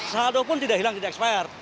saldo pun tidak hilang tidak ekspire